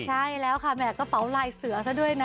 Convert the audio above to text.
ใช่แล้วค่ะแห่กระเป๋าลายเสือซะด้วยนะ